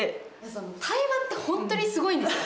対話って本当にすごいんですよ。